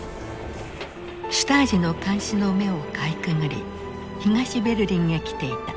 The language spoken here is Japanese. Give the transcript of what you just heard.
シュタージの監視の目をかいくぐり東ベルリンへ来ていた。